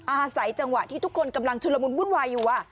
อาศัยจังหวะที่ทุกคนกำลังชุลมุนวุ่นวายอยู่